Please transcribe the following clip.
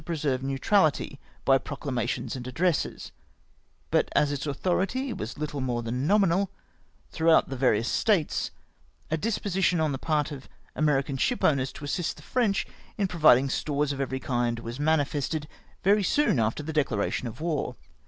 63 preserve neutrality by proclamations and addresses, but as its authority was little more than nominal throughout the various states, a disposition on the part of American shipowners to assist the French in providing stores of every kind was manifested very soon after the declara tion of war.